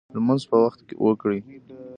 لمونځ په وخت وکړئ